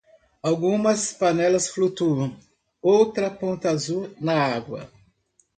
Algumas panelas flutuam, outra ponta azul na água.